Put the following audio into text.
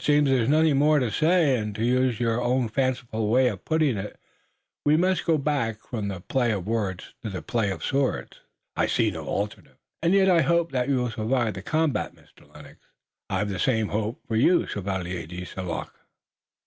"Then it seems there is nothing more to say, and to use your own fanciful way of putting it, we must go back from the play of words to the play of swords." "I see no alternative." "And yet I hope that you will survive the combat, Mr. Lennox." "I've the same hope for you, Chevalier de St. Luc."